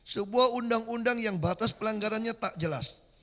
sebuah undang undang yang batas pelanggarannya tak jelas